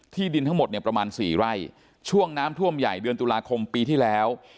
ดินทั้งหมดเนี่ยประมาณสี่ไร่ช่วงน้ำท่วมใหญ่เดือนตุลาคมปีที่แล้ว